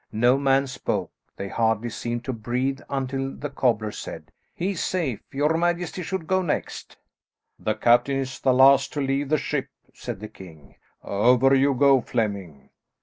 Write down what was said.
No man spoke, they hardly seemed to breathe until the cobbler said: "He's safe. Your majesty should go next." "The captain is the last to leave the ship," said the king; "over you go, Flemming."